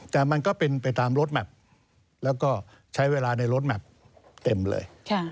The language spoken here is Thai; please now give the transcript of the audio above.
แต่มันก็เป็นไปตามรถแมพแล้วก็ใช้เวลาในรถแมพเต็มเลย